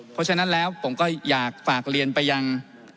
เพราะฉะนั้นแล้วผมก็อยากฝากเรียนไปยัง